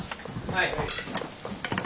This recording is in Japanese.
はい。